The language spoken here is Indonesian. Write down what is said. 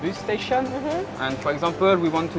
di sini saya berada di kudang bus